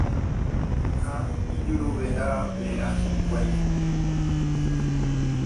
ha ijuruveravera hikuái.